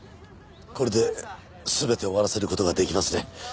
これで全てを終わらせる事ができますね。